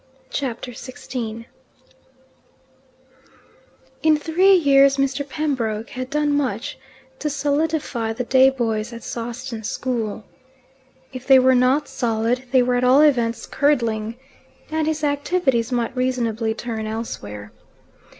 PART 2 SAWSTON XVI In three years Mr. Pembroke had done much to solidify the day boys at Sawston School. If they were not solid, they were at all events curdling, and his activities might reasonably turn elsewhere.